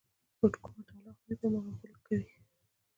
په کومه تالې خوري، په هماغه کې غول کوي.